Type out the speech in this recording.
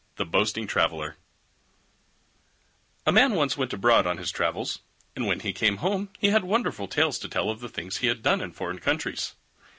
THE BOASTING TRAVELLER A Man once went abroad on his travels, and when he came home he had wonderful tales to tell of the things he had done in foreign countries.